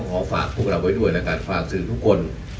ขอฝากพวกเราไว้ด้วยแล้วกันฝากสื่อทุกคน